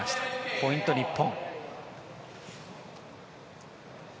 ポイント、日本。